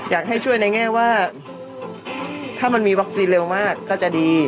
อยากให้ช่วยในแง่ว่าถ้ามันมีวัคซีนเร็วมากก็จะดี